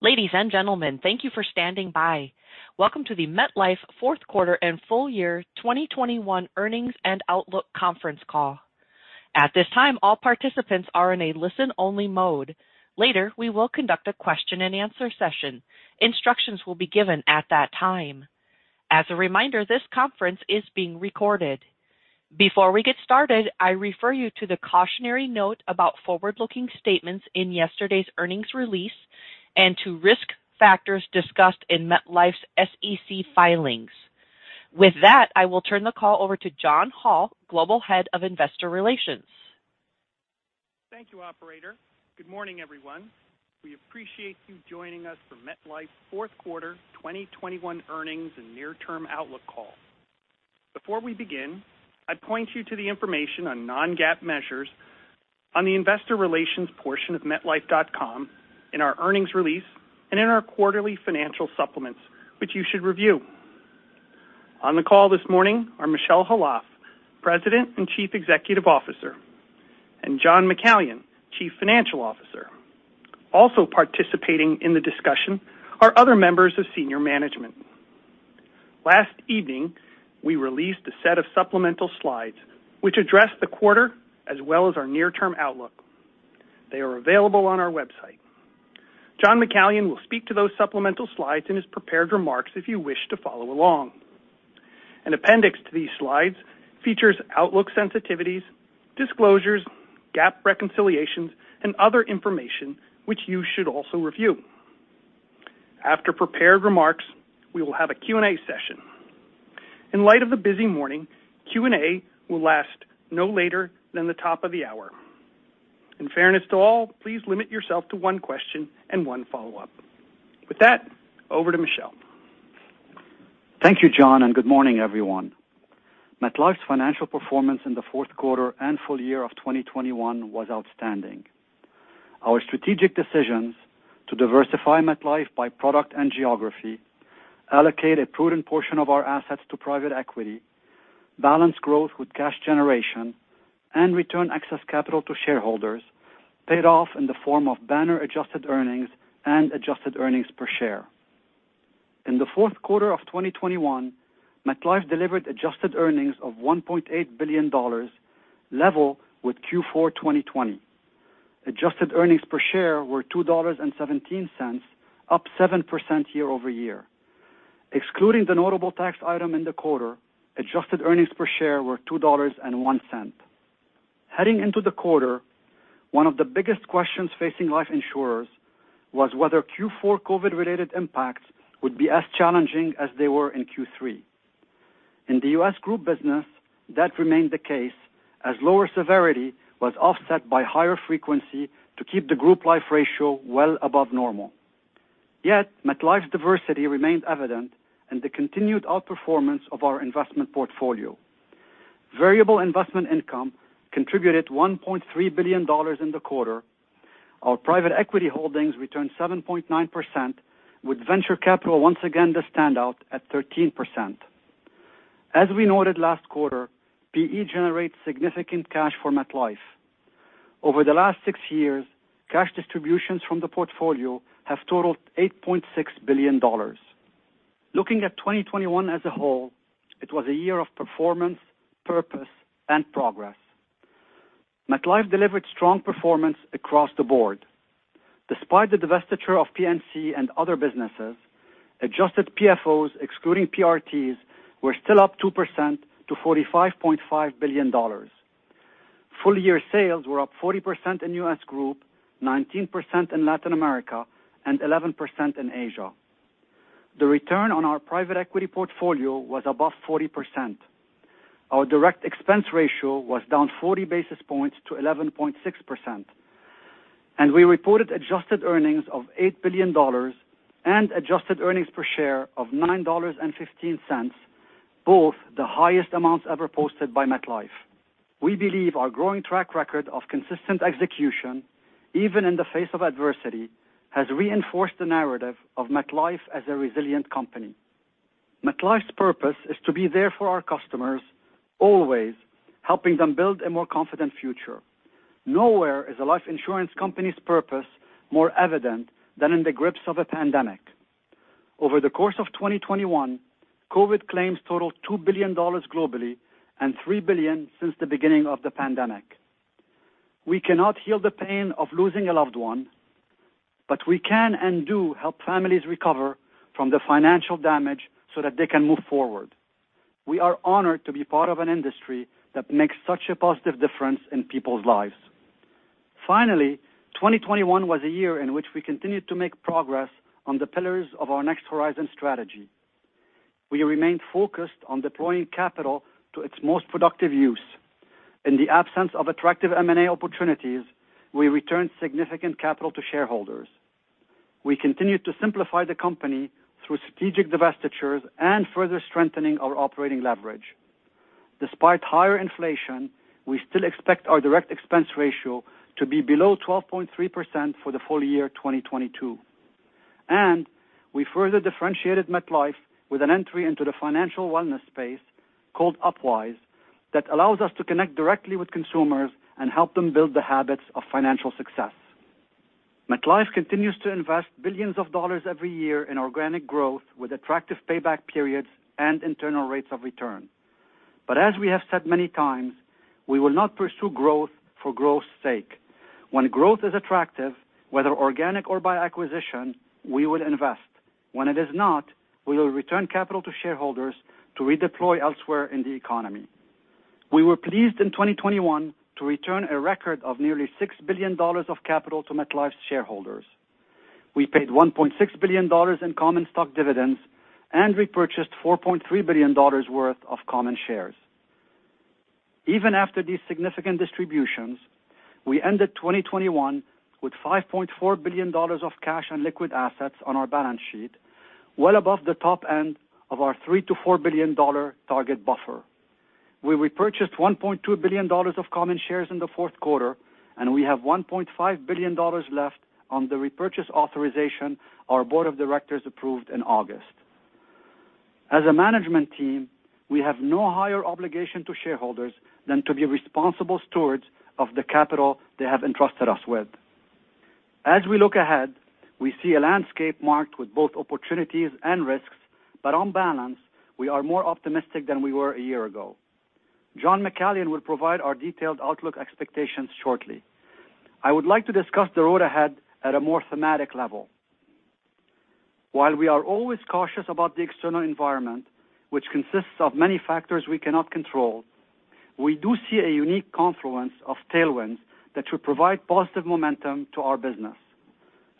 Ladies and gentlemen, thank you for standing by. Welcome to the MetLife fourth quarter and full year 2021 earnings and outlook conference call. At this time, all participants are in a listen-only mode. Later, we will conduct a question-and-answer session. Instructions will be given at that time. As a reminder, this conference is being recorded. Before we get started, I refer you to the cautionary note about forward-looking statements in yesterday's earnings release and to risk factors discussed in MetLife's SEC filings. With that, I will turn the call over to John Hall, Global Head of Investor Relations. Thank you, operator. Good morning, everyone. We appreciate you joining us for MetLife's fourth quarter 2021 earnings and near-term outlook call. Before we begin, I point you to the information on non-GAAP measures on the investor relations portion of metlife.com in our earnings release and in our quarterly financial supplements, which you should review. On the call this morning are Michel Khalaf, President and Chief Executive Officer, and John McCallion, Chief Financial Officer. Also participating in the discussion are other members of senior management. Last evening, we released a set of supplemental slides which address the quarter as well as our near-term outlook. They are available on our website. John McCallion will speak to those supplemental slides in his prepared remarks if you wish to follow along. An appendix to these slides features outlook sensitivities, disclosures, GAAP reconciliations, and other information which you should also review. After prepared remarks, we will have a Q&A session. In light of the busy morning, Q&A will last no later than the top of the hour. In fairness to all, please limit yourself to one question and one follow-up. With that, over to Michel. Thank you, John, and good morning, everyone. MetLife's financial performance in the fourth quarter and full year of 2021 was outstanding. Our strategic decisions to diversify MetLife by product and geography allocate a prudent portion of our assets to private equity, balance growth with cash generation, and return excess capital to shareholders paid off in the form of banner adjusted earnings and adjusted earnings per share. In the fourth quarter of 2021, MetLife delivered adjusted earnings of $1.8 billion, level with Q4 2020. Adjusted earnings per share were $2.17, up 7% year-over-year. Excluding the notable tax item in the quarter, adjusted earnings per share were $2.01. Heading into the quarter, one of the biggest questions facing life insurers was whether Q4 COVID-related impacts would be as challenging as they were in Q3. In the U.S. group business, that remained the case as lower severity was offset by higher frequency to keep the group life ratio well above normal. Yet, MetLife's diversity remained evident in the continued outperformance of our investment portfolio. Variable investment income contributed $1.3 billion in the quarter. Our private equity holdings returned 7.9%, with venture capital once again the standout at 13%. As we noted last quarter, PE generates significant cash for MetLife. Over the last six years, cash distributions from the portfolio have totaled $8.6 billion. Looking at 2021 as a whole, it was a year of performance, purpose, and progress. MetLife delivered strong performance across the board. Despite the divestiture of P&C and other businesses, adjusted PFOs, excluding PRTs, were still up 2% to $45.5 billion. Full-year sales were up 40% in U.S. Group, 19% in Latin America, and 11% in Asia. The return on our private equity portfolio was above 40%. Our direct expense ratio was down 40 basis points to 11.6%. We reported adjusted earnings of $8 billion and adjusted earnings per share of $9.15, both the highest amounts ever posted by MetLife. We believe our growing track record of consistent execution, even in the face of adversity, has reinforced the narrative of MetLife as a resilient company. MetLife's purpose is to be there for our customers, always helping them build a more confident future. Nowhere is a life insurance company's purpose more evident than in the grips of a pandemic. Over the course of 2021, COVID claims totaled $2 billion globally and $3 billion since the beginning of the pandemic. We cannot heal the pain of losing a loved one, but we can and do help families recover from the financial damage so that they can move forward. We are honored to be part of an industry that makes such a positive difference in people's lives. Finally, 2021 was a year in which we continued to make progress on the pillars of our Next Horizon strategy. We remain focused on deploying capital to its most productive use. In the absence of attractive M&A opportunities, we returned significant capital to shareholders. We continued to simplify the company through strategic divestitures and further strengthening our operating leverage. Despite higher inflation, we still expect our direct expense ratio to be below 12.3% for the full year 2022. We further differentiated MetLife with an entry into the financial wellness space called Upwise that allows us to connect directly with consumers and help them build the habits of financial success. MetLife continues to invest billions of dollars every year in organic growth with attractive payback periods and internal rates of return. As we have said many times, we will not pursue growth for growth's sake. When growth is attractive, whether organic or by acquisition, we will invest. When it is not, we will return capital to shareholders to redeploy elsewhere in the economy. We were pleased in 2021 to return a record of nearly $6 billion of capital to MetLife's shareholders. We paid $1.6 billion in common stock dividends and repurchased $4.3 billion worth of common shares. Even after these significant distributions, we ended 2021 with $5.4 billion of cash and liquid assets on our balance sheet, well above the top end of our $3 billion-$4 billion target buffer. We repurchased $1.2 billion of common shares in the fourth quarter, and we have $1.5 billion left on the repurchase authorization our board of directors approved in August. As a management team, we have no higher obligation to shareholders than to be responsible stewards of the capital they have entrusted us with. As we look ahead, we see a landscape marked with both opportunities and risks, but on balance, we are more optimistic than we were a year ago. John McCallion will provide our detailed outlook expectations shortly. I would like to discuss the road ahead at a more thematic level. While we are always cautious about the external environment, which consists of many factors we cannot control, we do see a unique confluence of tailwinds that should provide positive momentum to our business.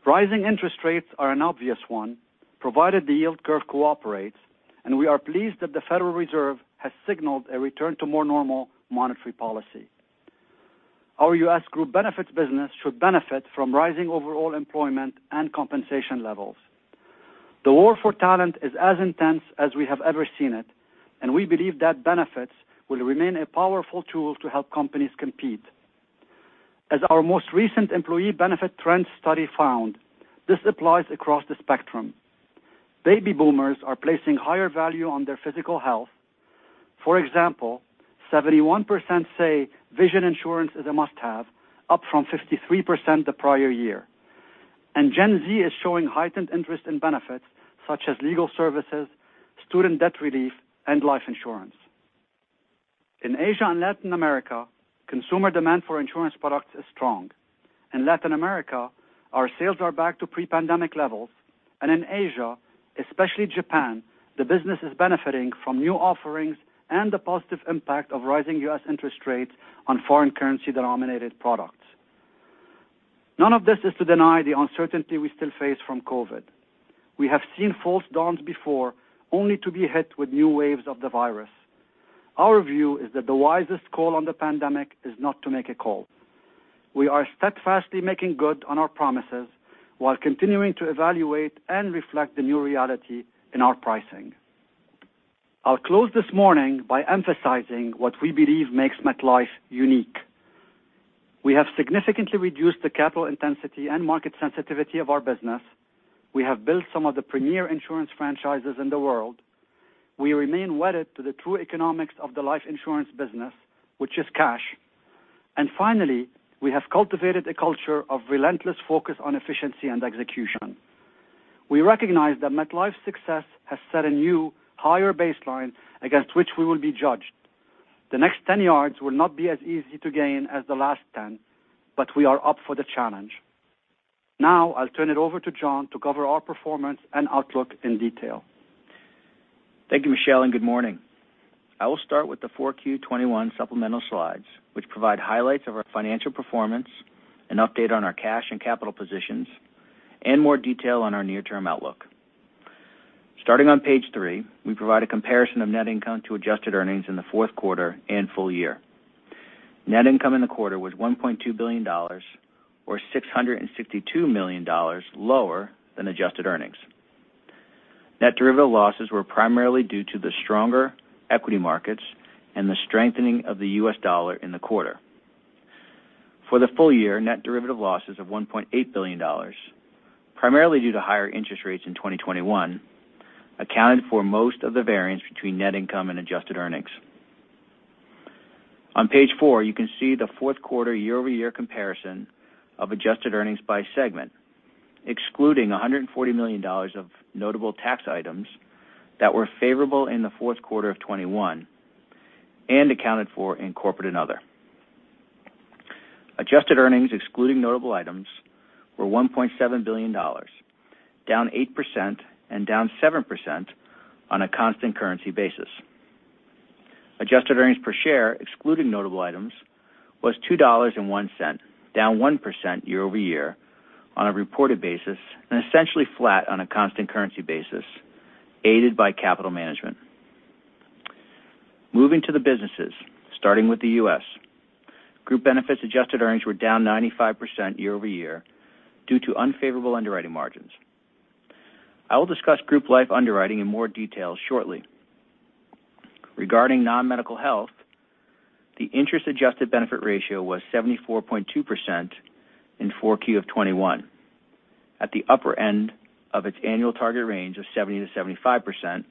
Rising interest rates are an obvious one, provided the yield curve cooperates, and we are pleased that the Federal Reserve has signaled a return to more normal monetary policy. Our U.S. Group Benefits business should benefit from rising overall employment and compensation levels. The war for talent is as intense as we have ever seen it, and we believe that benefits will remain a powerful tool to help companies compete. As our most recent employee benefit trend study found, this applies across the spectrum. Baby Boomers are placing higher value on their physical health. For example, 71% say vision insurance is a must-have, up from 53% the prior year. Gen Z is showing heightened interest in benefits such as legal services, student debt relief, and life insurance. In Asia and Latin America, consumer demand for insurance products is strong. In Latin America, our sales are back to pre-pandemic levels, and in Asia, especially Japan, the business is benefiting from new offerings and the positive impact of rising U.S. interest rates on foreign currency-denominated products. None of this is to deny the uncertainty we still face from COVID. We have seen false dawns before, only to be hit with new waves of the virus. Our view is that the wisest call on the pandemic is not to make a call. We are steadfastly making good on our promises while continuing to evaluate and reflect the new reality in our pricing. I'll close this morning by emphasizing what we believe makes MetLife unique. We have significantly reduced the capital intensity and market sensitivity of our business. We have built some of the premier insurance franchises in the world. We remain wedded to the true economics of the life insurance business, which is cash. Finally, we have cultivated a culture of relentless focus on efficiency and execution. We recognize that MetLife's success has set a new, higher baseline against which we will be judged. The next ten yards will not be as easy to gain as the last ten, but we are up for the challenge. Now I'll turn it over to John to cover our performance and outlook in detail. Thank you, Michel, and good morning. I will start with the 4Q 2021 supplemental slides, which provide highlights of our financial performance, an update on our cash and capital positions, and more detail on our near-term outlook. Starting on page three, we provide a comparison of net income to adjusted earnings in the fourth quarter and full year. Net income in the quarter was $1.2 billion or $662 million lower than adjusted earnings. Net derivative losses were primarily due to the stronger equity markets and the strengthening of the U.S. dollar in the quarter. For the full year, net derivative losses of $1.8 billion, primarily due to higher interest rates in 2021, accounted for most of the variance between net income and adjusted earnings. On page four, you can see the fourth quarter year-over-year comparison of adjusted earnings by segment, excluding $140 million of notable tax items that were favorable in the fourth quarter of 2021 and accounted for in corporate and other. Adjusted earnings, excluding notable items, were $1.7 billion, down 8% and down 7% on a constant currency basis. Adjusted earnings per share, excluding notable items, was $2.01, down 1% year-over-year on a reported basis, and essentially flat on a constant currency basis, aided by capital management. Moving to the businesses, starting with the U.S. Group Benefits adjusted earnings were down 95% year-over-year due to unfavorable underwriting margins. I will discuss group life underwriting in more detail shortly. Regarding non-medical health, the interest-adjusted benefit ratio was 74.2% in 4Q 2021, at the upper end of its annual target range of 70%-75%,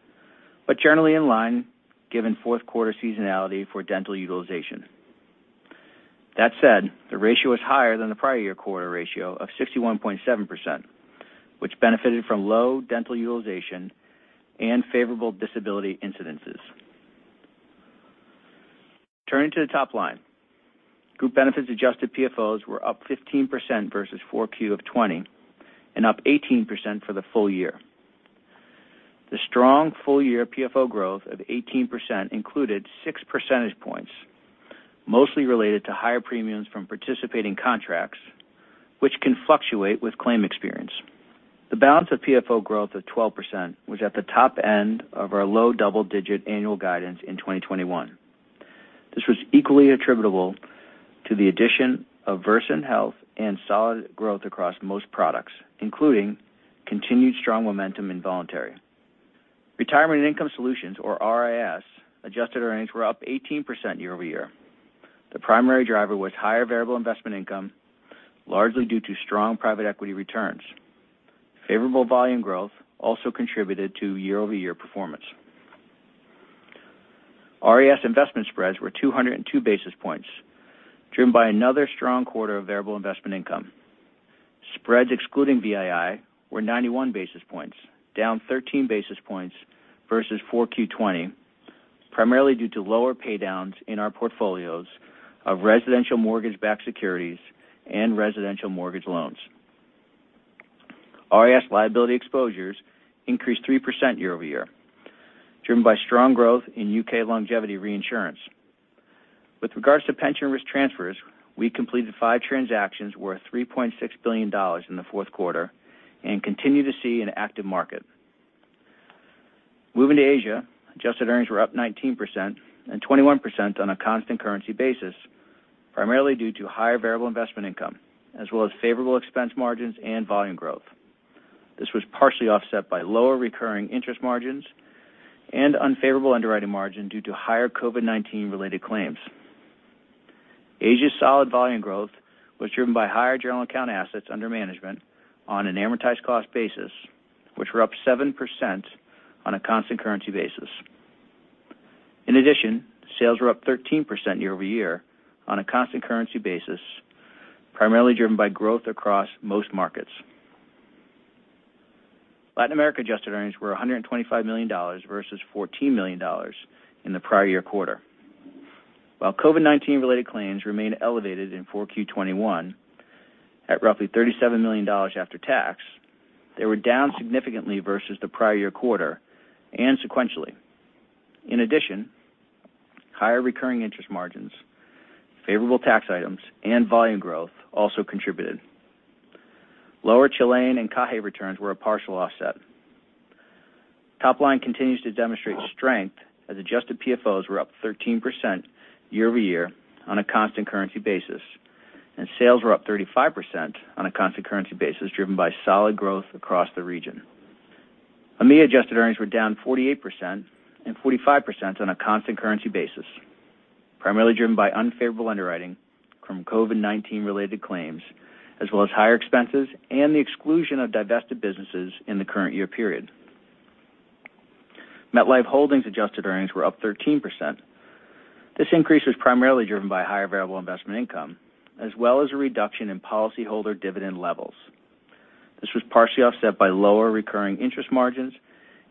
but generally in line given fourth quarter seasonality for dental utilization. That said, the ratio is higher than the prior year quarter ratio of 61.7%, which benefited from low dental utilization and favorable disability incidences. Turning to the top line, Group Benefits adjusted PFOs were up 15% versus 4Q 2020 and up 18% for the full year. The strong full-year PFO growth of 18% included six percentage points, mostly related to higher premiums from participating contracts, which can fluctuate with claim experience. The balance of PFO growth of 12% was at the top end of our low double-digit annual guidance in 2021. This was equally attributable to the addition of Versant Health and solid growth across most products, including continued strong momentum in voluntary. Retirement and Income Solutions, or RIS, adjusted earnings were up 18% year-over-year. The primary driver was higher variable investment income, largely due to strong private equity returns. Favorable volume growth also contributed to year-over-year performance. RIS investment spreads were 202 basis points, driven by another strong quarter of variable investment income. Spreads excluding VII were 91 basis points, down 13 basis points versus Q4 2020, primarily due to lower pay downs in our portfolios of residential mortgage-backed securities and residential mortgage loans. RIS liability exposures increased 3% year-over-year, driven by strong growth in U.K. longevity reinsurance. With regards to pension risk transfers, we completed five transactions worth $3.6 billion in the fourth quarter and continue to see an active market. Moving to Asia, adjusted earnings were up 19% and 21% on a constant currency basis, primarily due to higher variable investment income as well as favorable expense margins and volume growth. This was partially offset by lower recurring interest margins and unfavorable underwriting margin due to higher COVID-19 related claims. Asia's solid volume growth was driven by higher general account assets under management on an amortized cost basis, which were up 7% on a constant currency basis. In addition, sales were up 13% year-over-year on a constant currency basis, primarily driven by growth across most markets. Latin America adjusted earnings were $125 million versus $14 million in the prior year quarter. While COVID-19 related claims remained elevated in 4Q21 at roughly $37 million after tax, they were down significantly versus the prior year quarter and sequentially. In addition, higher recurring interest margins, favorable tax items, and volume growth also contributed. Lower Chilean and CAHE returns were a partial offset. Top line continues to demonstrate strength as adjusted PFOs were up 13% year-over-year on a constant currency basis, and sales were up 35% on a constant currency basis, driven by solid growth across the region. EMEA adjusted earnings were down 48% and 45% on a constant currency basis, primarily driven by unfavorable underwriting from COVID-19 related claims, as well as higher expenses and the exclusion of divested businesses in the current year period. MetLife Holdings adjusted earnings were up 13%. This increase was primarily driven by higher variable investment income as well as a reduction in policyholder dividend levels. This was partially offset by lower recurring interest margins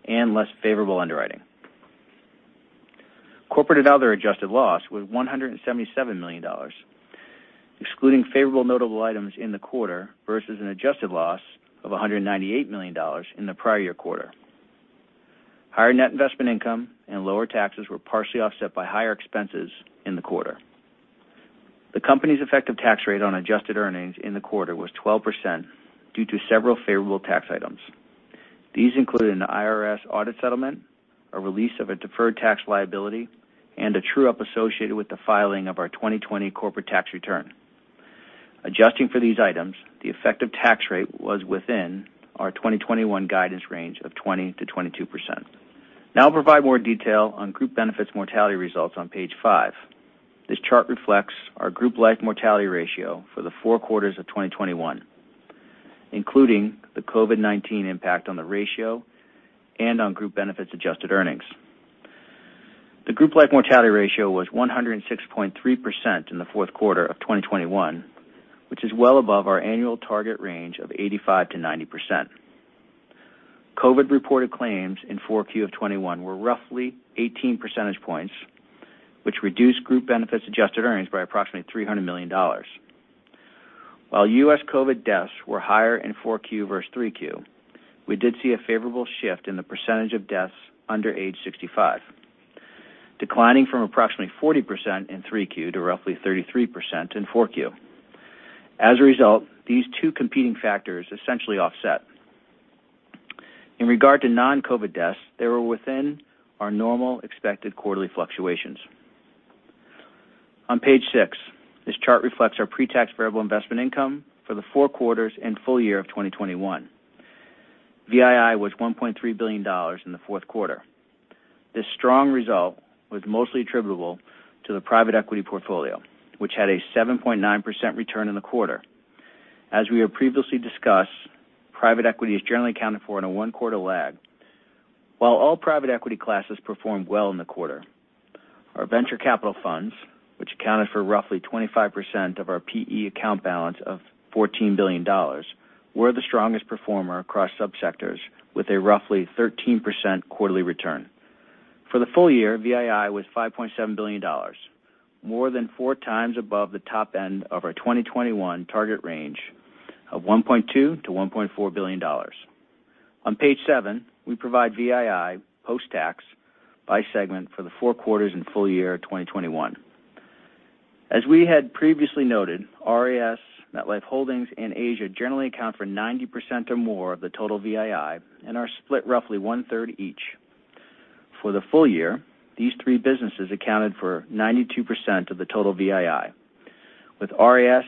and less favorable underwriting. Corporate and other adjusted loss was $177 million, excluding favorable notable items in the quarter versus an adjusted loss of $198 million in the prior year quarter. Higher net investment income and lower taxes were partially offset by higher expenses in the quarter. The company's effective tax rate on adjusted earnings in the quarter was 12% due to several favorable tax items. These included an IRS audit settlement, a release of a deferred tax liability, and a true-up associated with the filing of our 2020 corporate tax return. Adjusting for these items, the effective tax rate was within our 2021 guidance range of 20%-22%. Now I'll provide more detail on Group Benefits mortality results on page five. This chart reflects our group life mortality ratio for the four quarters of 2021, including the COVID-19 impact on the ratio and on Group Benefits adjusted earnings. The group life mortality ratio was 106.3% in the fourth quarter of 2021, which is well above our annual target range of 85%-90%. COVID reported claims in 4Q of 2021 were roughly 18 percentage points, which reduced Group Benefits adjusted earnings by approximately $300 million. While U.S. COVID deaths were higher in 4Q versus 3Q, we did see a favorable shift in the percentage of deaths under age 65, declining from approximately 40% in 3Q to roughly 33% in 4Q. As a result, these two competing factors essentially offset. In regard to non-COVID deaths, they were within our normal expected quarterly fluctuations. On page six, this chart reflects our pre-tax variable investment income for the four quarters and full year of 2021. VII was $1.3 billion in the fourth quarter. This strong result was mostly attributable to the private equity portfolio, which had a 7.9% return in the quarter. As we have previously discussed, private equity is generally accounted for in a one-quarter lag. While all private equity classes performed well in the quarter, our venture capital funds, which accounted for roughly 25% of our PE account balance of $14 billion, were the strongest performer across subsectors with a roughly 13% quarterly return. For the full year, VII was $5.7 billion, more than four times above the top end of our 2021 target range of $1.2 billion-$1.4 billion. On page seven, we provide VII post-tax by segment for the four quarters and full year of 2021. As we had previously noted, RIS, MetLife Holdings, and Asia generally account for 90% or more of the total VII and are split roughly one-third each. For the full year, these three businesses accounted for 92% of the total VII, with RIS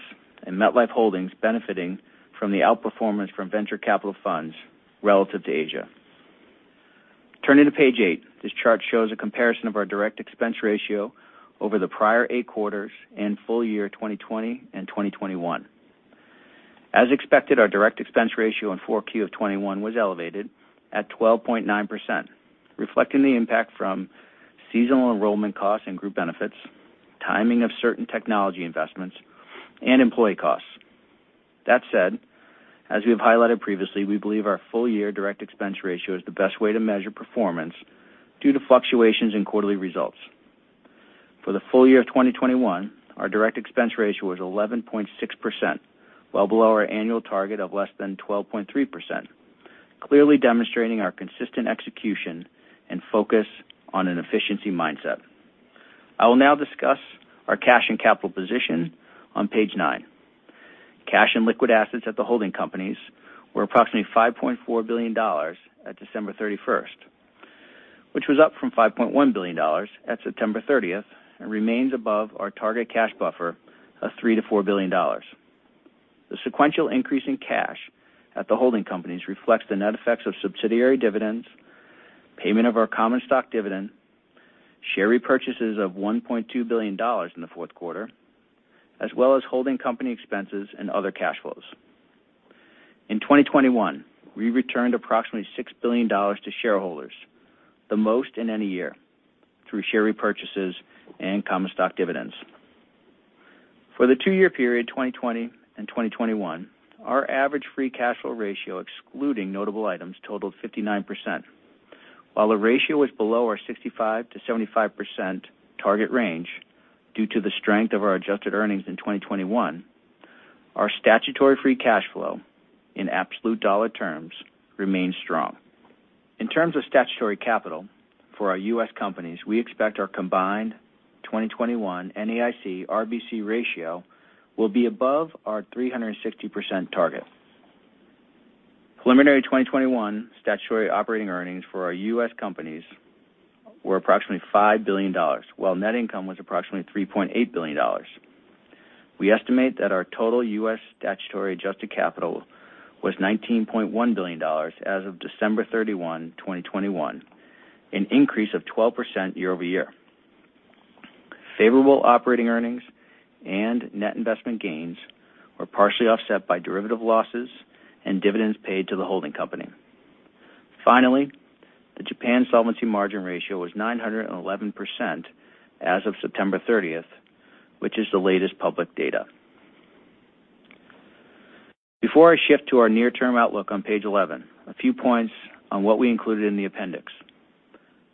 and MetLife Holdings benefiting from the outperformance from venture capital funds relative to Asia. Turning to page eight. This chart shows a comparison of our direct expense ratio over the prior eight quarters and full year 2020 and 2021. As expected, our direct expense ratio in Q4 2021 was elevated at 12.9%, reflecting the impact from seasonal enrollment costs and Group Benefits, timing of certain technology investments, and employee costs. That said, as we have highlighted previously, we believe our full-year direct expense ratio is the best way to measure performance due to fluctuations in quarterly results. For the full year of 2021, our direct expense ratio was 11.6%, well below our annual target of less than 12.3%, clearly demonstrating our consistent execution and focus on an efficiency mindset. I will now discuss our cash and capital position on page nine. Cash and liquid assets at the holding companies were approximately $5.4 billion at December 31st, which was up from $5.1 billion at September 30th and remains above our target cash buffer of $3 billion-$4 billion. The sequential increase in cash at the holding companies reflects the net effects of subsidiary dividends, payment of our common stock dividend, share repurchases of $1.2 billion in the fourth quarter, as well as holding company expenses and other cash flows. In 2021, we returned approximately $6 billion to shareholders, the most in any year, through share repurchases and common stock dividends. For the two-year period, 2020 and 2021, our average free cash flow ratio, excluding notable items, totaled 59%. While the ratio was below our 65%-75% target range due to the strength of our adjusted earnings in 2021, our statutory free cash flow in absolute dollar terms remains strong. In terms of statutory capital for our U.S. companies, we expect our combined 2021 NAIC RBC ratio will be above our 360% target. Preliminary 2021 statutory operating earnings for our U.S. companies were approximately $5 billion, while net income was approximately $3.8 billion. We estimate that our total U.S. statutory adjusted capital was $19.1 billion as of December 31, 2021, an increase of 12% year-over-year. Favorable operating earnings and net investment gains were partially offset by derivative losses and dividends paid to the holding company. Finally, the Japan solvency margin ratio was 911% as of September 30, which is the latest public data. Before I shift to our near-term outlook on page 11, a few points on what we included in the appendix.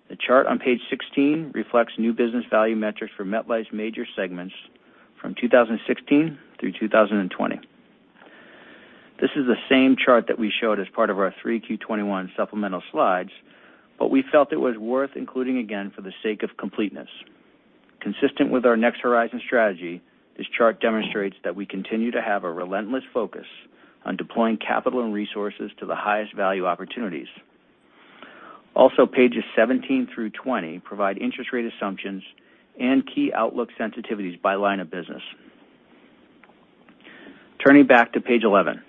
The chart on page 16 reflects new business value metrics for MetLife's major segments from 2016 through 2020. This is the same chart that we showed as part of our 3Q 2021 supplemental slides, but we felt it was worth including again for the sake of completeness. Consistent with our Next Horizon strategy, this chart demonstrates that we continue to have a relentless focus on deploying capital and resources to the highest value opportunities. Also, pages 17 through 20 provide interest rate assumptions and key outlook sensitivities by line of business. Turning back to page eleven,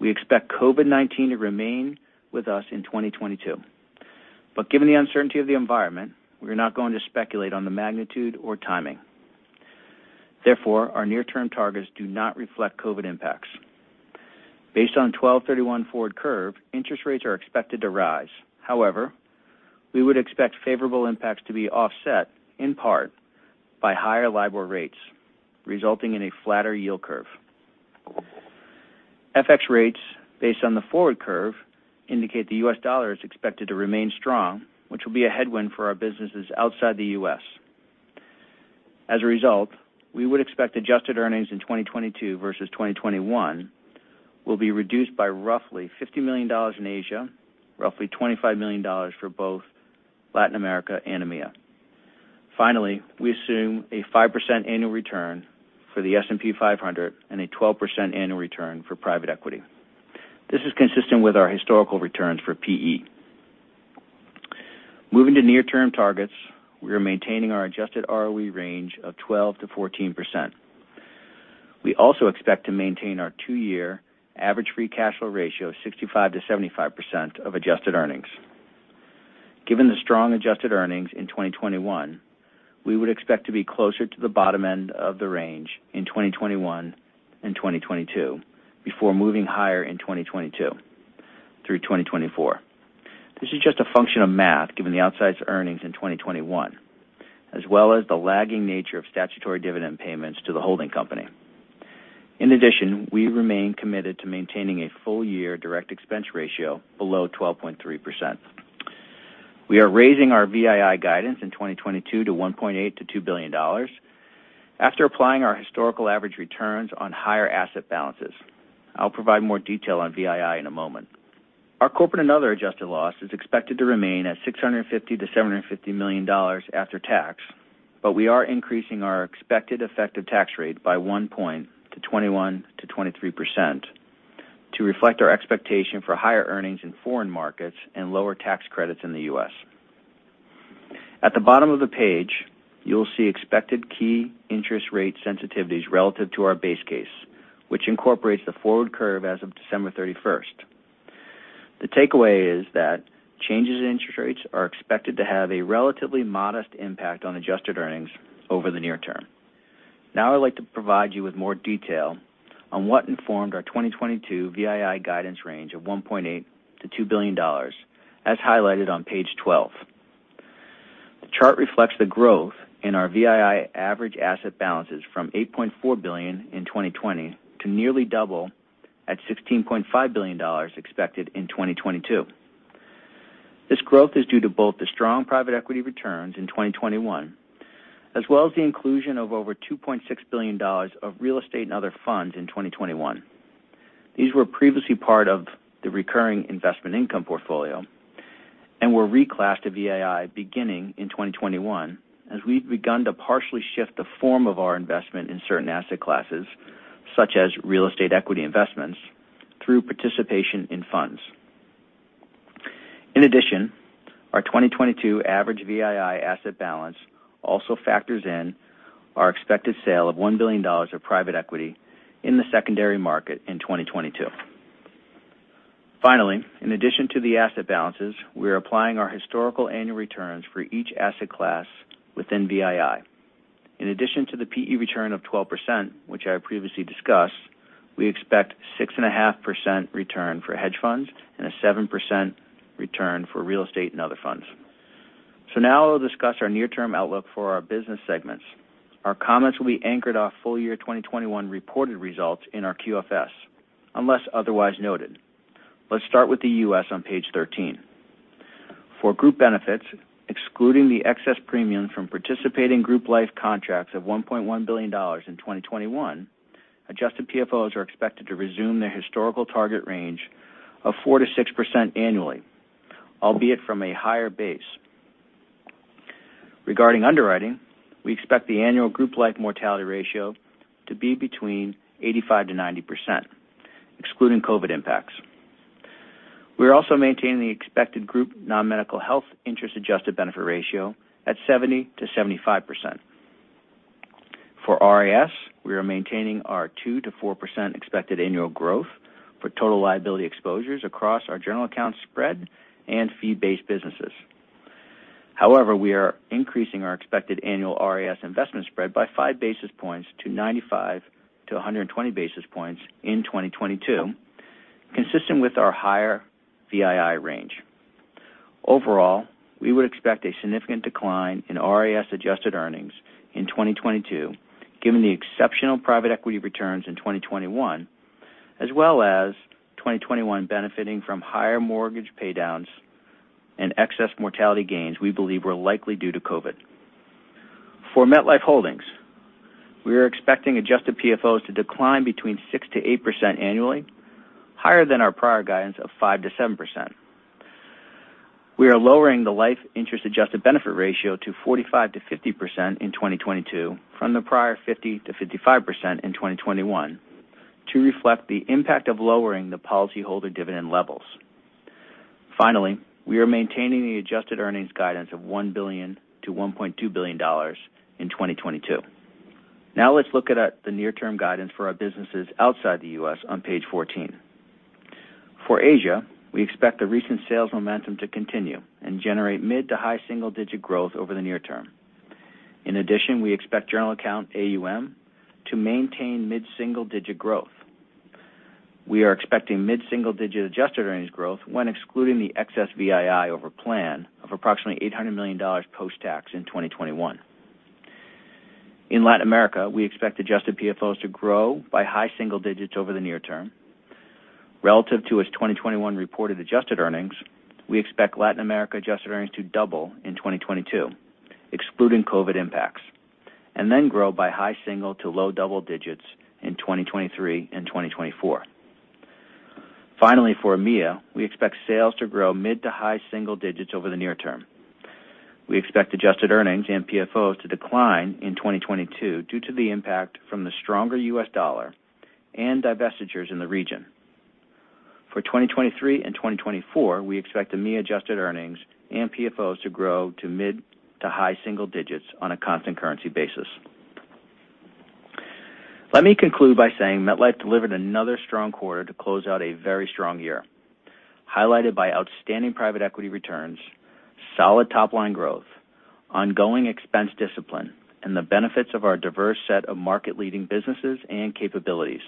we expect COVID-19 to remain with us in 2022. Given the uncertainty of the environment, we are not going to speculate on the magnitude or timing. Therefore, our near-term targets do not reflect COVID impacts. Based on 12/31 forward curve, interest rates are expected to rise. However, we would expect favorable impacts to be offset in part by higher LIBOR rates, resulting in a flatter yield curve. FX rates based on the forward curve indicate the U.S. dollar is expected to remain strong, which will be a headwind for our businesses outside the U.S. As a result, we would expect adjusted earnings in 2022 versus 2021 will be reduced by roughly $50 million in Asia, roughly $25 million for both Latin America and EMEA. Finally, we assume a 5% annual return for the S&P 500 and a 12% annual return for private equity. This is consistent with our historical returns for PE. Moving to near-term targets, we are maintaining our adjusted ROE range of 12%-14%. We also expect to maintain our two-year average free cash flow ratio of 65%-75% of adjusted earnings. Given the strong adjusted earnings in 2021, we would expect to be closer to the bottom end of the range in 2021 and 2022 before moving higher in 2022 through 2024. This is just a function of math, given the outsized earnings in 2021, as well as the lagging nature of statutory dividend payments to the holding company. In addition, we remain committed to maintaining a full year direct expense ratio below 12.3%. We are raising our VII guidance in 2022 to $1.8 billion-$2 billion after applying our historical average returns on higher asset balances. I'll provide more detail on VII in a moment. Our corporate and other adjusted loss is expected to remain at $650 million-$750 million after tax, but we are increasing our expected effective tax rate by 1% to 21%-23% to reflect our expectation for higher earnings in foreign markets and lower tax credits in the U.S. At the bottom of the page, you'll see expected key interest rate sensitivities relative to our base case, which incorporates the forward curve as of December 31st. The takeaway is that changes in interest rates are expected to have a relatively modest impact on adjusted earnings over the near term. Now I'd like to provide you with more detail on what informed our 2022 VII guidance range of $1.8 billion-$2 billion, as highlighted on page 12. The chart reflects the growth in our VII average asset balances from $8.4 billion in 2020 to nearly double at $16.5 billion expected in 2022. This growth is due to both the strong private equity returns in 2021, as well as the inclusion of over $2.6 billion of real estate and other funds in 2021. These were previously part of the recurring investment income portfolio and were reclassed to VII beginning in 2021 as we've begun to partially shift the form of our investment in certain asset classes, such as real estate equity investments, through participation in funds. In addition, our 2022 average VII asset balance also factors in our expected sale of $1 billion of private equity in the secondary market in 2022. Finally, in addition to the asset balances, we are applying our historical annual returns for each asset class within VII. In addition to the PE return of 12%, which I previously discussed, we expect 6.5% return for hedge funds and a 7% return for real estate and other funds. Now I'll discuss our near-term outlook for our business segments. Our comments will be anchored off full year 2021 reported results in our QFS, unless otherwise noted. Let's start with the U.S. on page 13. For Group Benefits, excluding the excess premium from participating group life contracts of $1.1 billion in 2021, adjusted PFOs are expected to resume their historical target range of 4%-6% annually, albeit from a higher base. Regarding underwriting, we expect the annual group life mortality ratio to be between 85%-90%, excluding COVID impacts. We are also maintaining the expected group non-medical health interest adjusted benefit ratio at 70%-75%. For RIS, we are maintaining our 2%-4% expected annual growth for total liability exposures across our general account spread and fee-based businesses. However, we are increasing our expected annual RIS investment spread by 5 basis points to 95-120 basis points in 2022, consistent with our higher VII range. Overall, we would expect a significant decline in RIS adjusted earnings in 2022, given the exceptional private equity returns in 2021, as well as 2021 benefiting from higher mortgage paydowns and excess mortality gains we believe were likely due to COVID. For MetLife Holdings, we are expecting adjusted PFOs to decline between 6%-8% annually, higher than our prior guidance of 5%-7%. We are lowering the life interest adjusted benefit ratio to 45%-50% in 2022 from the prior 50%-55% in 2021 to reflect the impact of lowering the policyholder dividend levels. Finally, we are maintaining the adjusted earnings guidance of $1 billion-$1.2 billion in 2022. Now let's look at the near-term guidance for our businesses outside the U.S. on page 14. For Asia, we expect the recent sales momentum to continue and generate mid- to high-single-digit growth over the near term. In addition, we expect general account AUM to maintain mid-single-digit growth. We are expecting mid-single-digit adjusted earnings growth when excluding the excess VII over plan of approximately $800 million post-tax in 2021. In Latin America, we expect adjusted PFOs to grow by high-single-digits over the near term. Relative to its 2021 reported adjusted earnings, we expect Latin America adjusted earnings to double in 2022, excluding COVID impacts, and then grow by high-single- to low-double-digits in 2023 and 2024. Finally, for EMEA, we expect sales to grow mid to high single digits over the near term. We expect adjusted earnings and PFOs to decline in 2022 due to the impact from the stronger U.S. dollar and divestitures in the region. For 2023 and 2024, we expect the EMEA adjusted earnings and PFOs to grow to mid to high single digits on a constant currency basis. Let me conclude by saying MetLife delivered another strong quarter to close out a very strong year, highlighted by outstanding private equity returns, solid top line growth, ongoing expense discipline, and the benefits of our diverse set of market-leading businesses and capabilities.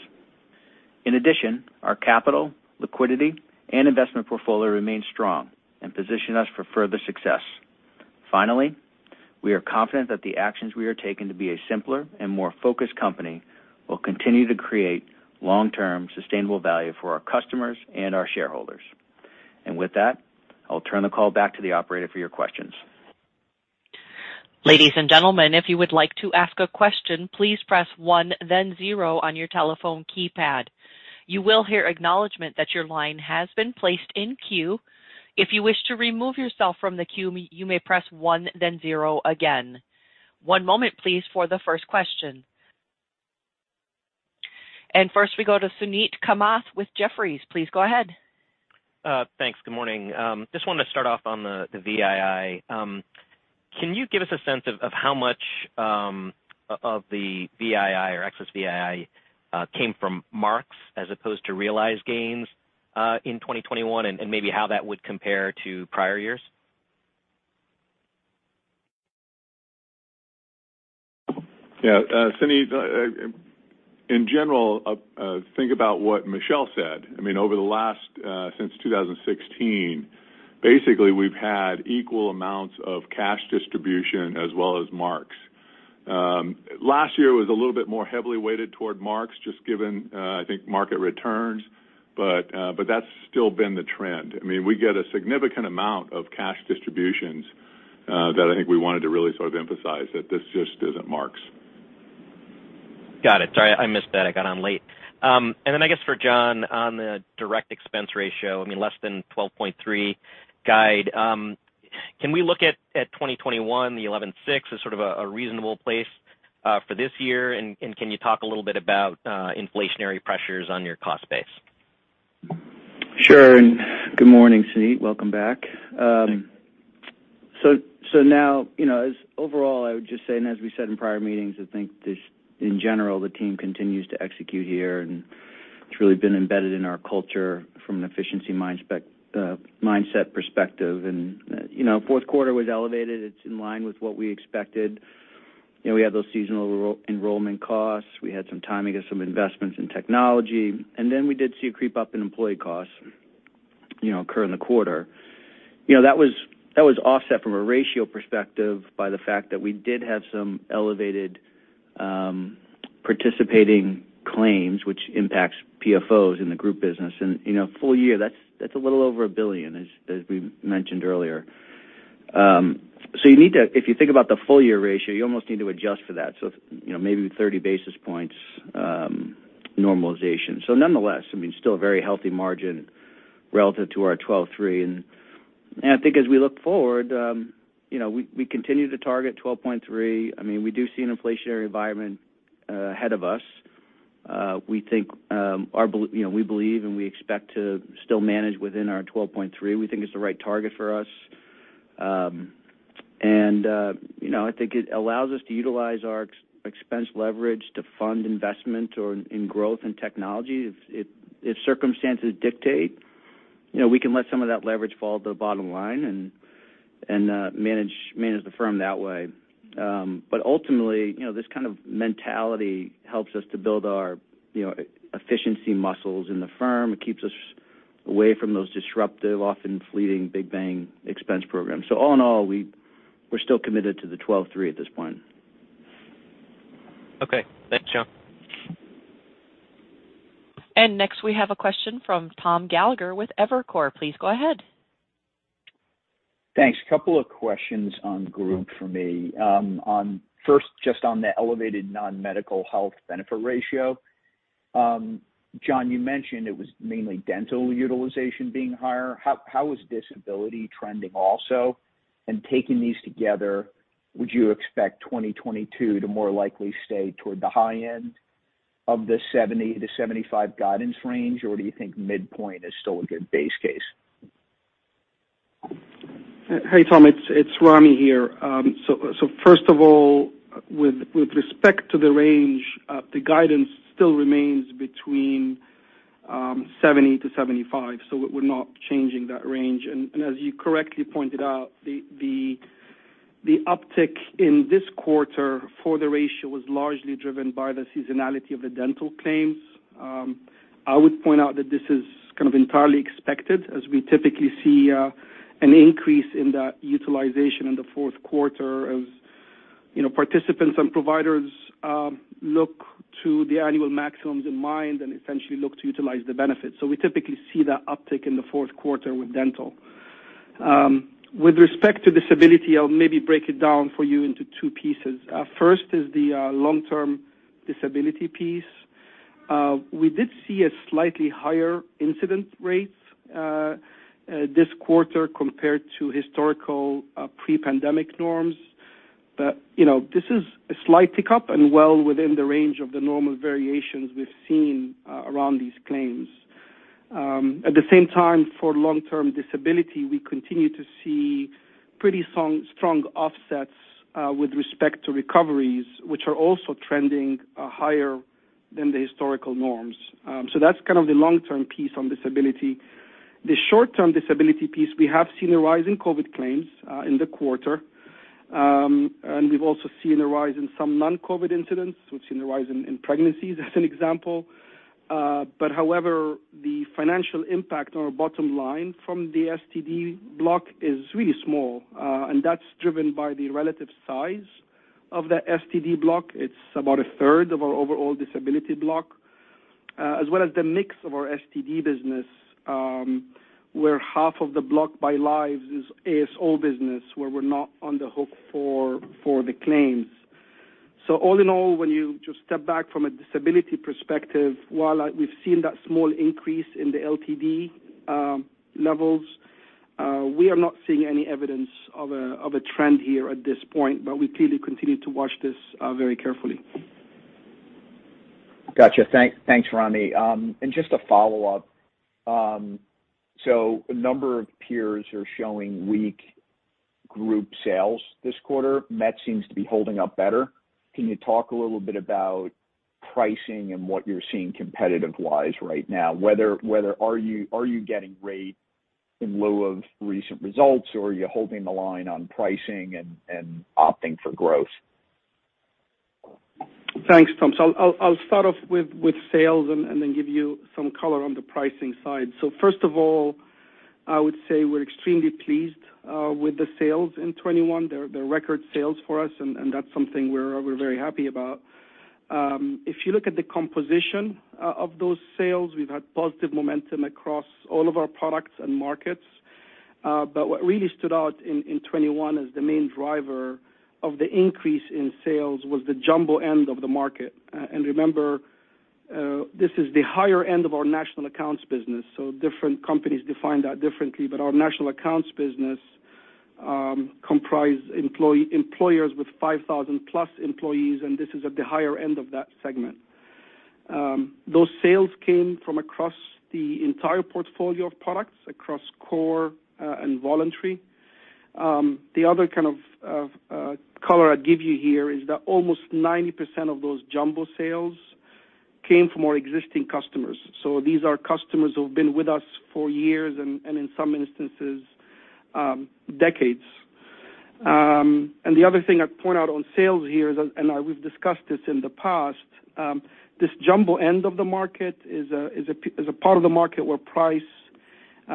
In addition, our capital, liquidity, and investment portfolio remain strong and position us for further success. Finally, we are confident that the actions we are taking to be a simpler and more focused company will continue to create long-term sustainable value for our customers and our shareholders. With that, I'll turn the call back to the operator for your questions. First, we go to Suneet Kamath with Jefferies. Please go ahead. Thanks. Good morning. Just wanted to start off on the VII. Can you give us a sense of how much of the VII or excess VII came from marks as opposed to realized gains in 2021 and maybe how that would compare to prior years? Yeah, Suneet, in general, think about what Michel said. I mean, over the last, since 2016, basically, we've had equal amounts of cash distribution as well as marks. Last year was a little bit more heavily weighted toward marks just given, I think market returns, but that's still been the trend. I mean, we get a significant amount of cash distributions, that I think we wanted to really sort of emphasize that this just isn't marks. Got it. Sorry, I missed that. I got on late. I guess for John, on the direct expense ratio, I mean, less than 12.3% guide, can we look at 2021, the 11.6% as sort of a reasonable place for this year? Can you talk a little bit about inflationary pressures on your cost base? Sure. Good morning, Suneet. Welcome back. Now, you know, as overall, I would just say, as we said in prior meetings, I think this, in general, the team continues to execute here, and it's really been embedded in our culture from an efficiency mindset perspective. You know, fourth quarter was elevated. It's in line with what we expected. You know, we had those seasonal enrollment costs. We had some timing of some investments in technology. Then we did see a creep up in employee costs occur in the quarter. You know, that was offset from a ratio perspective by the fact that we did have some elevated participating claims, which impacts PFOs in the group business. You know, full year, that's a little over $1 billion, as we mentioned earlier. If you think about the full year ratio, you almost need to adjust for that. You know, maybe 30 basis points normalization. Nonetheless, I mean, still a very healthy margin relative to our 12.3. I think as we look forward, you know, we continue to target 12.3. I mean, we do see an inflationary environment ahead of us. We believe and we expect to still manage within our 12.3. We think it's the right target for us. I think it allows us to utilize our expense leverage to fund investments in growth and technology. If circumstances dictate, you know, we can let some of that leverage fall to the bottom line and manage the firm that way. Ultimately, you know, this kind of mentality helps us to build our, you know, efficiency muscles in the firm. It keeps us away from those disruptive, often fleeting, big bang expense programs. All in all, we're still committed to the 12.3 at this point. Okay. Thanks, John. Next we have a question from Tom Gallagher with Evercore. Please go ahead. Thanks. A couple of questions on group for me. First, just on the elevated non-medical health benefit ratio. John, you mentioned it was mainly dental utilization being higher. How is disability trending also? Taking these together, would you expect 2022 to more likely stay toward the high end of the 70%-75% guidance range, or do you think midpoint is still a good base case? Hey, Tom, it's Ramy here. First of all, with respect to the range, the guidance still remains between 70-75, so we're not changing that range. As you correctly pointed out, the uptick in this quarter for the ratio was largely driven by the seasonality of the dental claims. I would point out that this is kind of entirely expected as we typically see an increase in that utilization in the fourth quarter as you know, participants and providers look to the annual maximums in mind and essentially look to utilize the benefits. We typically see that uptick in the fourth quarter with dental. With respect to disability, I'll maybe break it down for you into two pieces. First is the long-term disability piece. We did see slightly higher incidence rates this quarter compared to historical pre-pandemic norms. You know, this is a slight pickup and well within the range of the normal variations we've seen around these claims. At the same time, for long-term disability, we continue to see pretty strong offsets with respect to recoveries, which are also trending higher than the historical norms. That's kind of the long-term piece on disability. The short-term disability piece, we have seen a rise in COVID claims in the quarter. We've also seen a rise in some non-COVID incidence. We've seen a rise in pregnancies as an example. However, the financial impact on our bottom line from the STD block is really small, and that's driven by the relative size of the STD block as well as the mix of our STD business, where half of the block by lives is ASO business, where we're not on the hook for the claims. All in all, when you just step back from a disability perspective, while we've seen that small increase in the LTD levels, we are not seeing any evidence of a trend here at this point, but we clearly continue to watch this very carefully. Gotcha. Thanks, Ramy. Just a follow-up. A number of peers are showing weak group sales this quarter. Met seems to be holding up better. Can you talk a little bit about pricing and what you're seeing competitive-wise right now? Whether are you getting rate in light of recent results, or are you holding the line on pricing and opting for growth? Thanks, Tom. I'll start off with sales and then give you some color on the pricing side. First of all, I would say we're extremely pleased with the sales in 2021. They're record sales for us, and that's something we're very happy about. If you look at the composition of those sales, we've had positive momentum across all of our products and markets. But what really stood out in 2021 as the main driver of the increase in sales was the jumbo end of the market. And remember, this is the higher end of our national accounts business, so different companies define that differently. But our national accounts business comprise employers with 5,000+ employees, and this is at the higher end of that segment. Those sales came from across the entire portfolio of products, across core and voluntary. The other kind of color I'd give you here is that almost 90% of those jumbo sales came from our existing customers. These are customers who've been with us for years and, in some instances, decades. The other thing I'd point out on sales here, and we've discussed this in the past, this jumbo end of the market is a part of the market where price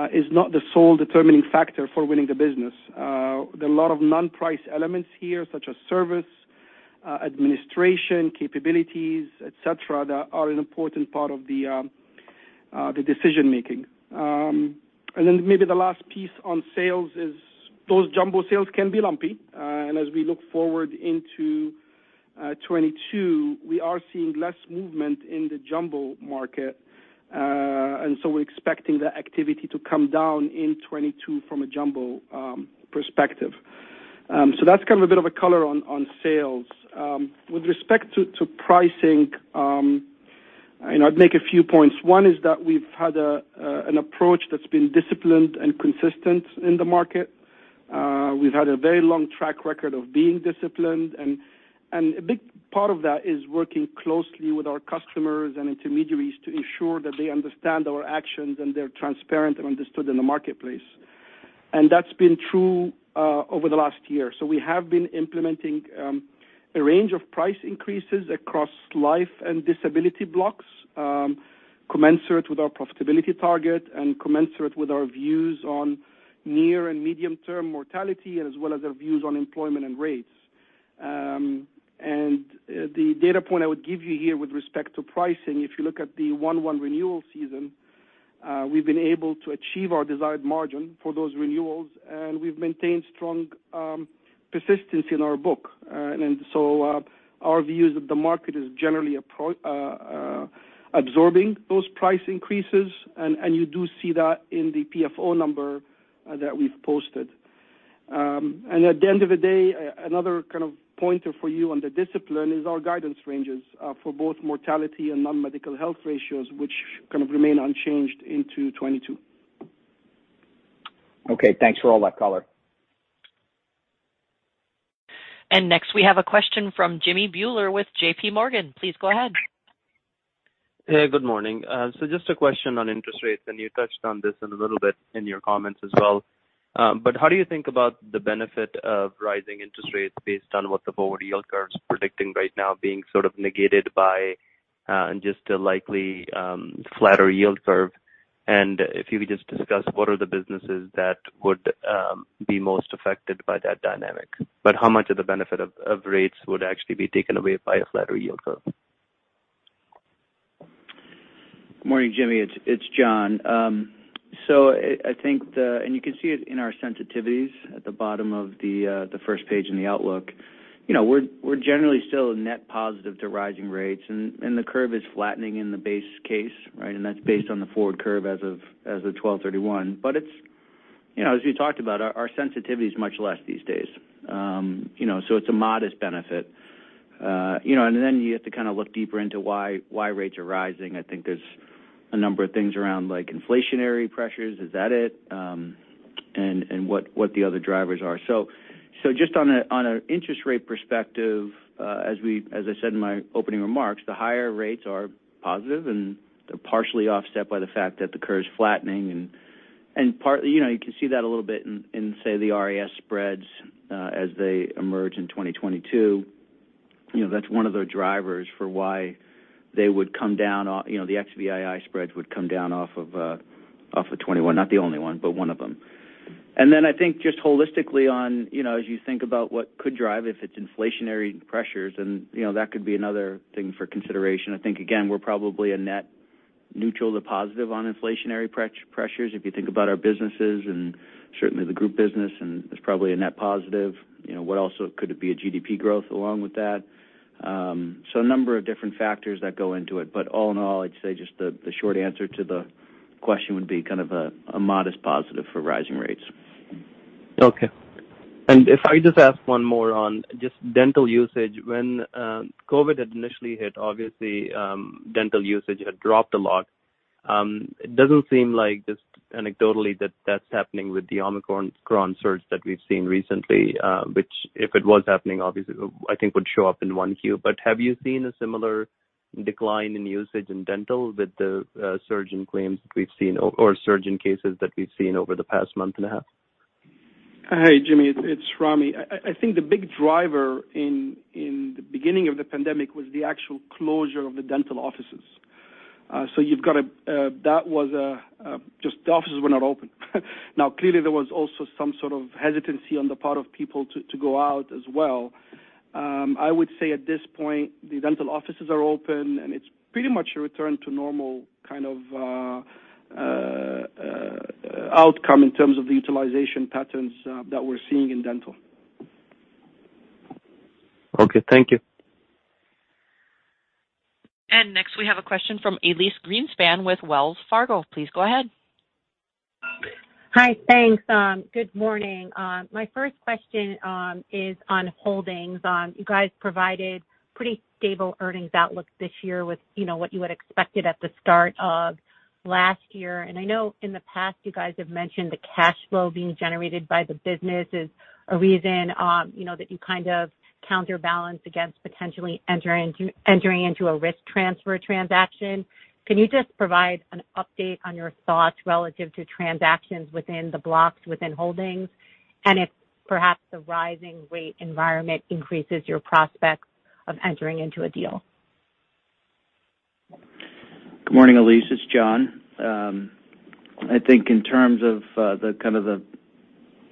is not the sole determining factor for winning the business. There are a lot of non-price elements here, such as service, administration, capabilities, et cetera, that are an important part of the decision making. Maybe the last piece on sales is those jumbo sales can be lumpy. As we look forward into 2022, we are seeing less movement in the jumbo market, and so we're expecting the activity to come down in 2022 from a jumbo perspective. That's kind of a bit of a color on sales. With respect to pricing, you know, I'd make a few points. One is that we've had an approach that's been disciplined and consistent in the market. We've had a very long track record of being disciplined, and a big part of that is working closely with our customers and intermediaries to ensure that they understand our actions and they're transparent and understood in the marketplace. That's been true over the last year. We have been implementing a range of price increases across life and disability blocks, commensurate with our profitability target and commensurate with our views on near- and medium-term mortality as well as our views on employment and rates. The data point I would give you here with respect to pricing, if you look at the 1-1 renewal season, we've been able to achieve our desired margin for those renewals, and we've maintained strong persistence in our book. Our view is that the market is generally absorbing those price increases, and you do see that in the PFO number that we've posted. At the end of the day, another kind of pointer for you on the discipline is our guidance ranges for both mortality and non-medical health ratios, which kind of remain unchanged into 2022. Okay, thanks for all that color. Next, we have a question from Jimmy Bhullar with JPMorgan. Please go ahead. Hey, good morning. Just a question on interest rates, and you touched on this in a little bit in your comments as well. How do you think about the benefit of rising interest rates based on what the forward yield curve is predicting right now being sort of negated by, and just a likely, flatter yield curve? If you could just discuss what are the businesses that would be most affected by that dynamic. How much of the benefit of rates would actually be taken away by a flatter yield curve? Morning, Jimmy, it's John. I think you can see it in our sensitivities at the bottom of the first page in the outlook. You know, we're generally still net positive to rising rates, and the curve is flattening in the base case, right? That's based on the forward curve as of 12/31. It's, you know, as we talked about, our sensitivity is much less these days. You know, so it's a modest benefit. You know, and then you have to kind of look deeper into why rates are rising. I think there's a number of things around like inflationary pressures, is that it? What the other drivers are. Just on an interest rate perspective, as I said in my opening remarks, the higher rates are positive, and they're partially offset by the fact that the curve's flattening. You know, you can see that a little bit in, say, the RIS spreads as they emerge in 2022. You know, that's one of the drivers for why they would come down off, you know, the XVII spreads would come down off of 2021, not the only one, but one of them. I think just holistically on, you know, as you think about what could drive if it's inflationary pressures and, you know, that could be another thing for consideration. I think again, we're probably a net neutral to positive on inflationary pressures. If you think about our businesses and certainly the group business, and it's probably a net positive. You know, what else could it be a GDP growth along with that? A number of different factors that go into it. All in all, I'd say just the short answer to the question would be kind of a modest positive for rising rates. Okay. If I just ask one more on just dental usage. When COVID had initially hit, obviously dental usage had dropped a lot. It doesn't seem like just anecdotally that that's happening with the Omicron surge that we've seen recently, which if it was happening, obviously I think would show up in 1Q. Have you seen a similar decline in usage in dental with the surge in claims we've seen or surge in cases that we've seen over the past month and a half? Hey, Jimmy, it's Ramy. I think the big driver in the beginning of the pandemic was the actual closure of the dental offices. So that was just the offices were not open. Now, clearly, there was also some sort of hesitancy on the part of people to go out as well. I would say at this point, the dental offices are open, and it's pretty much a return to normal kind of outcome in terms of the utilization patterns that we're seeing in dental. Okay, thank you. Next, we have a question from Elyse Greenspan with Wells Fargo. Please go ahead. Hi. Thanks. Good morning. My first question is on holdings. You guys provided pretty stable earnings outlook this year with, you know, what you had expected at the start of last year. I know in the past you guys have mentioned the cash flow being generated by the business is a reason, you know, that you kind of counterbalance against potentially entering into a risk transfer transaction. Can you just provide an update on your thoughts relative to transactions within the blocks within holdings, and if perhaps the rising rate environment increases your prospects of entering into a deal? Good morning, Elyse. It's John. I think in terms of the kind of the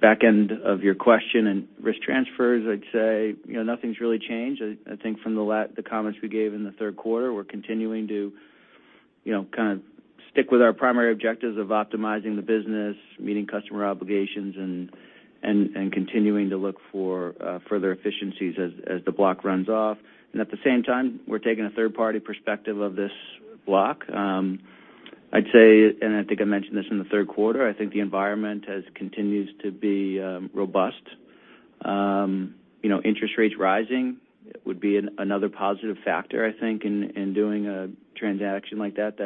back end of your question in risk transfers, I'd say, you know, nothing's really changed. I think from the comments we gave in the third quarter, we're continuing to, you know, kind of stick with our primary objectives of optimizing the business, meeting customer obligations, and continuing to look for further efficiencies as the block runs off. At the same time, we're taking a third-party perspective of this block. I'd say. I think I mentioned this in the third quarter, I think the environment has continued to be robust. You know, interest rates rising would be another positive factor, I think, in doing a transaction like that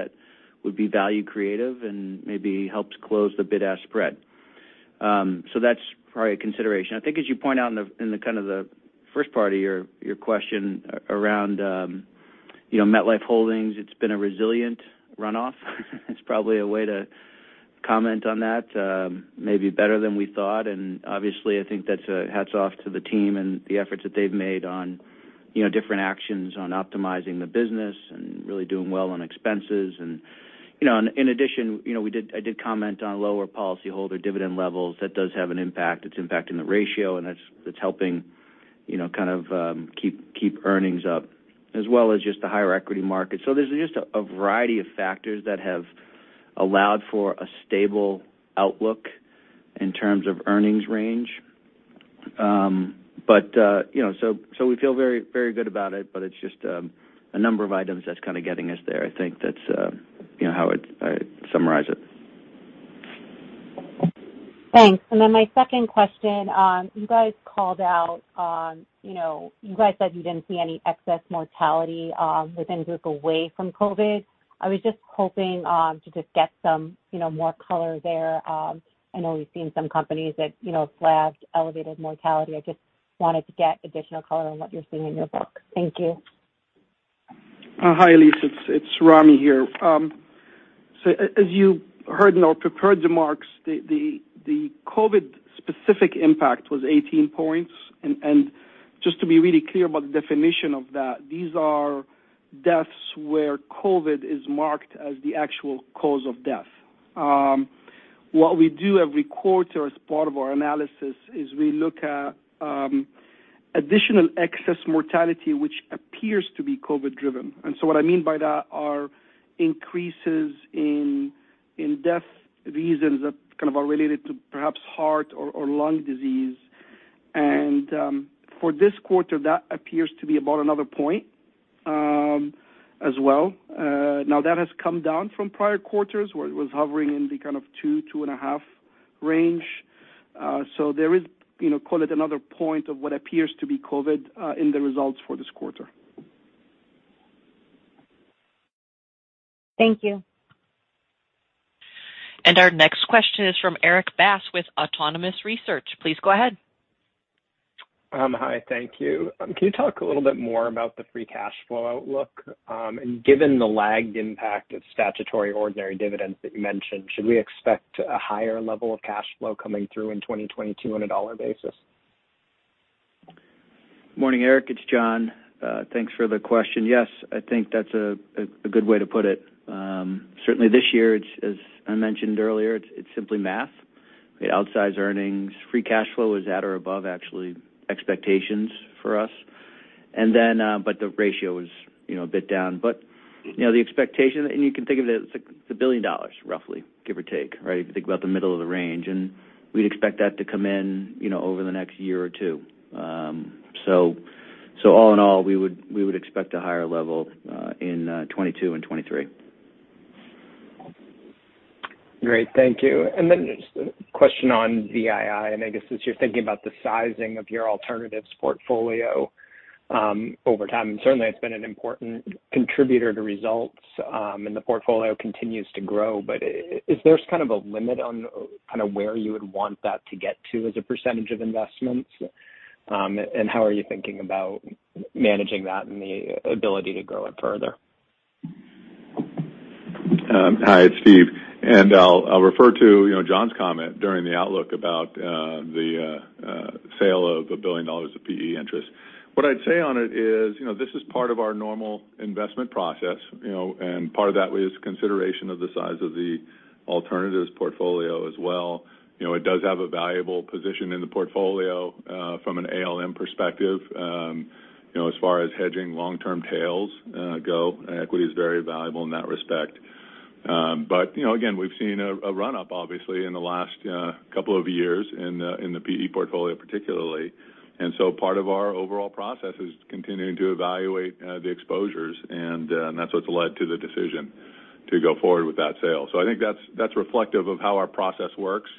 would be value creative and maybe helps close the bid-ask spread. That's probably a consideration. I think as you point out in the kind of the first part of your question around, you know, MetLife Holdings, it's been a resilient runoff. It's probably a way to comment on that, maybe better than we thought. Obviously, I think that's a hats off to the team and the efforts that they've made on, you know, different actions on optimizing the business and really doing well on expenses. You know, in addition, you know, I did comment on lower policyholder dividend levels. That does have an impact. It's impacting the ratio, and that's helping, you know, kind of keep earnings up, as well as just the higher equity market. There's just a variety of factors that have allowed for a stable outlook in terms of earnings range. You know, we feel very good about it, but it's just a number of items that's kind of getting us there. I think that's, you know, how I'd summarize it. Thanks. My second question, you guys called out, you know, you guys said you didn't see any excess mortality within group away from COVID. I was just hoping to just get some, you know, more color there. I know we've seen some companies that, you know, flagged elevated mortality. I just wanted to get additional color on what you're seeing in your book. Thank you. Hi, Elyse. It's Ramy here. So as you heard in our prepared remarks, the COVID specific impact was 18 points. Just to be really clear about the definition of that, these are deaths where COVID is marked as the actual cause of death. What we do every quarter as part of our analysis is we look at additional excess mortality which appears to be COVID driven. What I mean by that are increases in death reasons that kind of are related to perhaps heart or lung disease. For this quarter, that appears to be about another point as well. Now that has come down from prior quarters where it was hovering in the kind of 2-2.5 range. There is, you know, call it another point of what appears to be COVID in the results for this quarter. Thank you. Our next question is from Erik Bass with Autonomous Research. Please go ahead. Hi. Thank you. Can you talk a little bit more about the free cash flow outlook, and given the lagged impact of statutory ordinary dividends that you mentioned, should we expect a higher level of cash flow coming through in 2022 on a dollar basis? Morning, Erik. It's John. Thanks for the question. Yes, I think that's a good way to put it. Certainly this year, as I mentioned earlier, it's simply math. The outsize earnings, free cash flow is at or above actually expectations for us. The ratio is, you know, a bit down. You know, the expectation, and you can think of it as like it's $1 billion roughly, give or take, right? If you think about the middle of the range, and we'd expect that to come in, you know, over the next year or two. All in all, we would expect a higher level in 2022 and 2023. Great. Thank you. Just a question on VII. I guess as you're thinking about the sizing of your alternatives portfolio, over time, and certainly it's been an important contributor to results, and the portfolio continues to grow, but is there kind of a limit on kind of where you would want that to get to as a percentage of investments? How are you thinking about managing that and the ability to grow it further? Hi, it's Steve. I'll refer to, you know, John's comment during the outlook about the sale of $1 billion of PE interest. What I'd say on it is, you know, this is part of our normal investment process, you know, and part of that is consideration of the size of the alternatives portfolio as well. You know, it does have a valuable position in the portfolio from an ALM perspective. You know, as far as hedging long-term tails go, equity is very valuable in that respect. But, you know, again, we've seen a run up obviously in the last couple of years in the PE portfolio particularly. Part of our overall process is continuing to evaluate the exposures and that's what's led to the decision to go forward with that sale. I think that's reflective of how our process works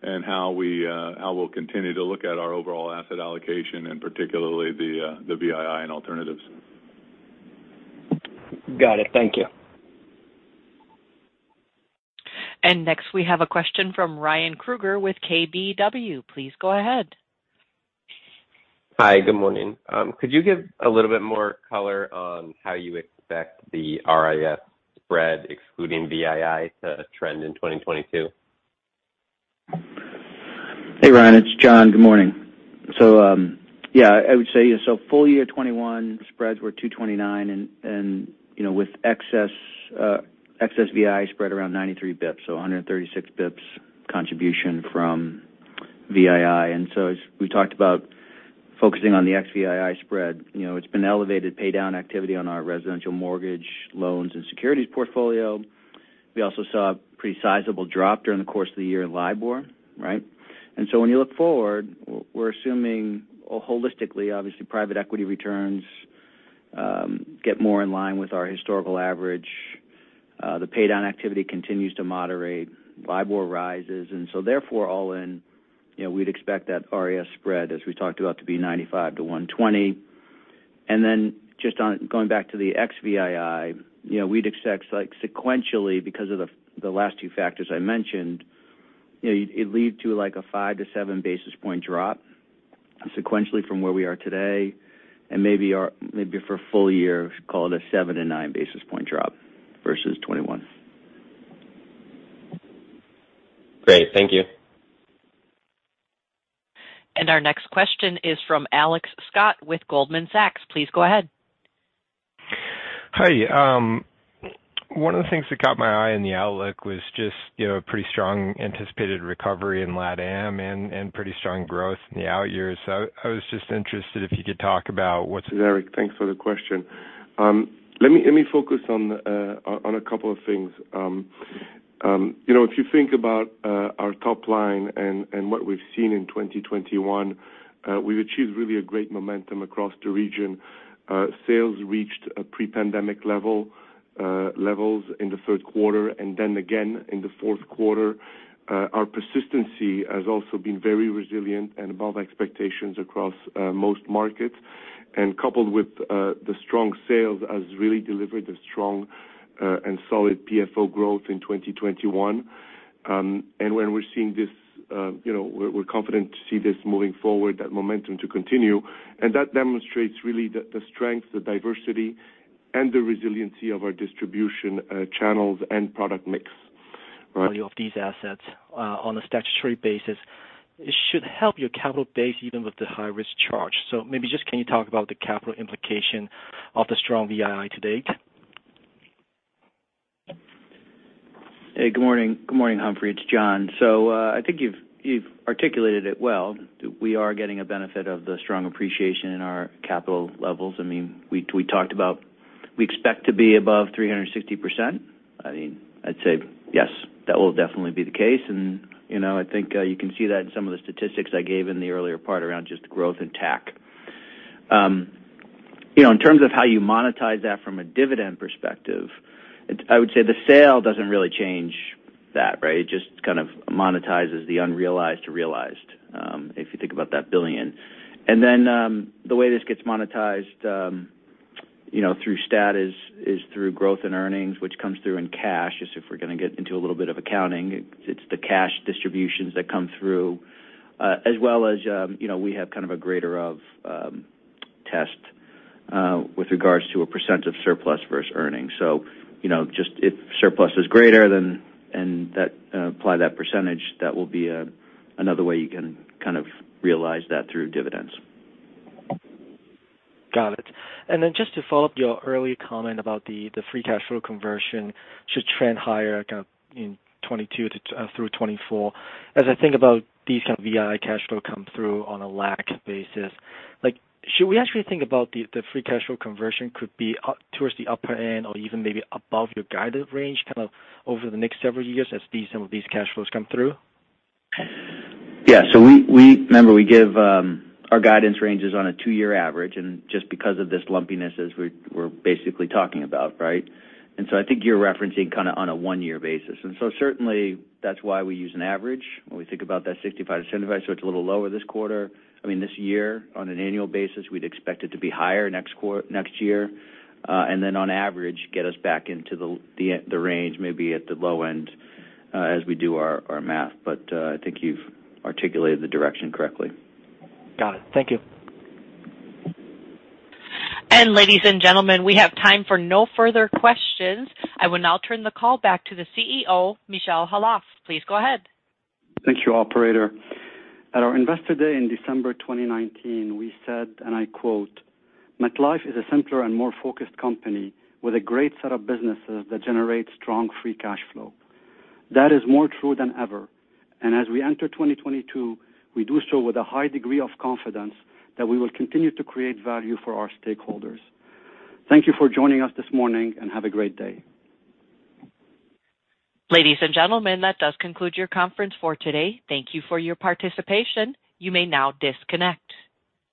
and how we'll continue to look at our overall asset allocation and particularly the VII and alternatives. Got it. Thank you. Next we have a question from Ryan Krueger with KBW. Please go ahead. Hi. Good morning. Could you give a little bit more color on how you expect the RIS spread excluding VII to trend in 2022? Hey, Ryan, it's John. Good morning. I would say full year 2021 spreads were 229 and you know, with excess VII spread around 93 basis points, 136 basis points contribution from VII. As we talked about focusing on the ex-VII spread, you know, it's been elevated pay down activity on our residential mortgage loans and securities portfolio. We also saw a pretty sizable drop during the course of the year in LIBOR, right? When you look forward, we're assuming holistically, obviously private equity returns get more in line with our historical average. The pay down activity continues to moderate, LIBOR rises, and therefore all in, you know, we'd expect that RIS spread, as we talked about, to be 95-120. Just on going back to the ex-VII, you know, we'd expect like sequentially because of the last two factors I mentioned, you know, it'd lead to like a 5-7 basis point drop sequentially from where we are today. Maybe for full year, call it a 7-9 basis point drop versus 2021. Great. Thank you. Our next question is from Alex Scott with Goldman Sachs. Please go ahead. Hi. One of the things that caught my eye in the outlook was just, you know, pretty strong anticipated recovery in LatAm and pretty strong growth in the out years. I was just interested if you could talk about what's- Erik, thanks for the question. Let me focus on a couple of things. You know, if you think about our top line and what we've seen in 2021, we've achieved really a great momentum across the region. Sales reached a pre-pandemic level in the third quarter and then again in the fourth quarter. Our persistency has also been very resilient and above expectations across most markets, and coupled with the strong sales, has really delivered a strong and solid PFO growth in 2021. When we're seeing this, you know, we're confident to see this moving forward, that momentum to continue. That demonstrates really the strength, the diversity, and the resiliency of our distribution channels and product mix. Right? Value of these assets on a statutory basis should help your capital base even with the high-risk charge. Maybe just can you talk about the capital implication of the strong VII to date? Hey, good morning. Good morning, Humphrey. It's John. So, I think you've articulated it well. We are getting a benefit of the strong appreciation in our capital levels. I mean, we talked about we expect to be above 360%. I mean, I'd say yes, that will definitely be the case. You know, I think you can see that in some of the statistics I gave in the earlier part around just growth in TAC. You know, in terms of how you monetize that from a dividend perspective, it. I would say the sale doesn't really change that, right? It just kind of monetizes the unrealized to realized, if you think about that $1 billion. The way this gets monetized, you know, through stat is through growth and earnings, which comes through in cash. If we're going to get into a little bit of accounting, it's the cash distributions that come through, as well as, you know, we have kind of a greater of test, with regards to a percent of surplus versus earnings. You know, just if surplus is greater, then that, apply that percentage, that will be another way you can kind of realize that through dividends. Got it. Just to follow up your earlier comment about the free cash flow conversion should trend higher kind of in 2022 to through 2024. As I think about these kind of VI cash flow come through on a LAC basis, like should we actually think about the free cash flow conversion could be up towards the upper end or even maybe above your guided range kind of over the next several years as these, some of these cash flows come through? Remember, we give our guidance ranges on a two-year average and just because of this lumpiness as we're basically talking about, right? I think you're referencing kind of on a one-year basis. Certainly that's why we use an average when we think about that 65-75. It's a little lower this quarter, I mean, this year on an annual basis. We'd expect it to be higher next year, and then on average get us back into the range, maybe at the low end, as we do our math. I think you've articulated the direction correctly. Got it. Thank you. Ladies and gentlemen, we have time for no further questions. I will now turn the call back to the CEO, Michel Khalaf. Please go ahead. Thank you, operator. At our Investor Day in December 2019, we said, and I quote, "MetLife is a simpler and more focused company with a great set of businesses that generate strong free cash flow." That is more true than ever. As we enter 2022, we do so with a high degree of confidence that we will continue to create value for our stakeholders. Thank you for joining us this morning, and have a great day. Ladies and gentlemen, that does conclude your conference for today. Thank you for your participation. You may now disconnect.